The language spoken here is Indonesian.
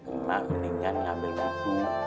emak mendingan ngambil wudhu